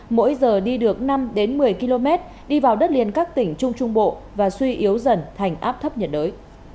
mỗi giờ đi được năm một mươi km đi vào đất liền các tỉnh trung trung bộ và suy yếu dần thành áp thấp nhiệt đới